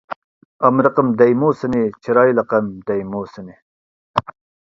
ئامرىقىم دەيمۇ سېنى، چىرايلىقى دەيمۇ سېنى.